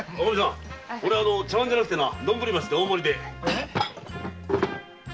俺茶わんじゃなくてどんぶり飯で大盛りで！